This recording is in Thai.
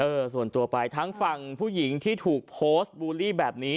ส่วนตัวไปทั้งฝั่งผู้หญิงที่ถูกโพสต์บูลลี่แบบนี้